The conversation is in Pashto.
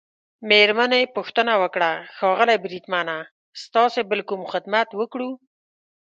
مېرمنې يې پوښتنه وکړه: ښاغلی بریدمنه، ستاسي بل کوم خدمت وکړو؟